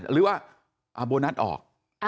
หรือว่าโบนัสออก